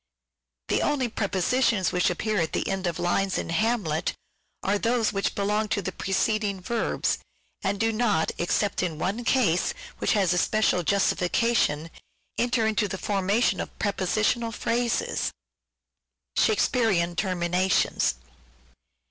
i.) The only Prepositions which appear at the end of lines in " Hamlet " are those which belong to the preceding verbs, and do not, except in one case, which has a special justification, enter into the forma tion of Prepositional phrases.